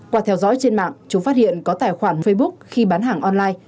qua theo dõi trên mạng chúng phát hiện có tài khoản facebook khi bán hàng online